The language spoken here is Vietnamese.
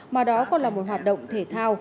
mà đó còn là một hoạt động thể thao